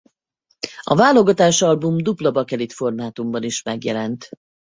A válogatásalbum dupla bakelit formátumban is megjelent.